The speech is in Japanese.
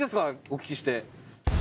お聞きして。